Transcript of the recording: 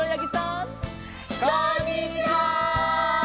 こんにちは！